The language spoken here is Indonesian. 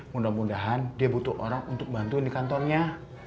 mudah mudahan dia butuh orang untuk bantuin di kantornya